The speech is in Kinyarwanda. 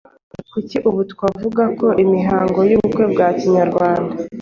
Kuri ubu twavugako imihango y’ubukwe kwa Kinyarwanda,